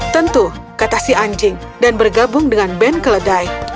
tentu kata si anjing dan bergabung dengan band keledai